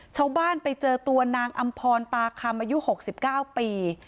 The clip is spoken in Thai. ชาวบ้านไปเจอตัวนางอำพรปาคำอายุหกสิบเก้าปี